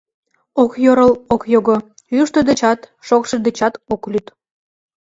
Ок йӧрл, ок його, йӱштӧ дечат, шокшо дечат ок лӱд».